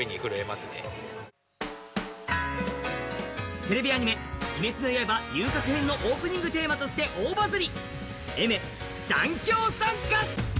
テレビアニメ「鬼滅の刃」のオープニングテーマとして大バズリ。